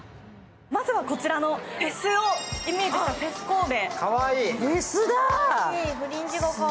まずは、こちらのフェスをイメージしたフェスコーデ。